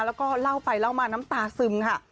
แล้วก็เล่าไปเล่ามาน้ำตาซึมค่ะ